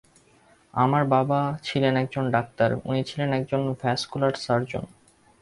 আমার বাবা ছিলেন একজন ডাক্তার, উনি ছিলেন একজন ভ্যাস্কুলার সার্জন।